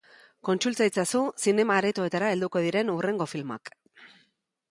Kontsulta itzazu zinema-aretoetara helduko diren hurrengo filmak.